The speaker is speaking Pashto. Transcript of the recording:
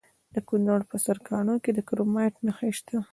د کونړ په سرکاڼو کې د کرومایټ نښې شته.